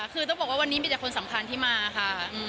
คือต้องบอกว่าวันนี้มีแต่คนสำคัญที่มาค่ะ